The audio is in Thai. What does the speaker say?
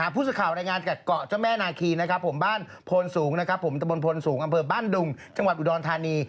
พุทธข่าวรายงานจากเกาะเจ้าแม่นาคีนะครับบ้านพลสูงอำเภอบ้านดุงจังหวัดอุดรธานี